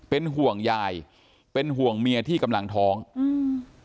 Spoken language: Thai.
เป็นห่วงยายเป็นห่วงเมียที่กำลังท้องอืม